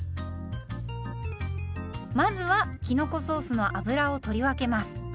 まずはきのこソースの油を取り分けます。